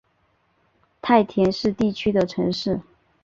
太田市地区的城市。